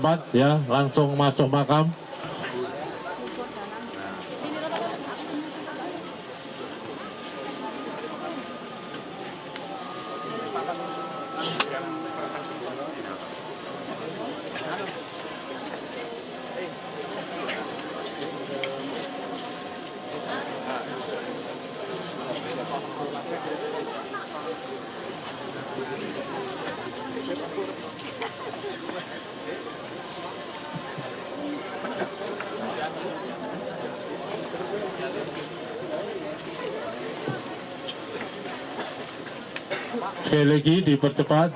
kasih jalan mas pasukannya kasih jalan